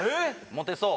モテそう？